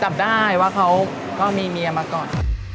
จับได้ว่าเขาก็มีเมียมาก่อน